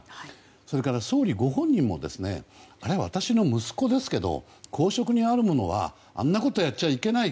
それから、総理ご本人もあれは私の息子ですけど公職にある者はあんなことやっちゃいけない。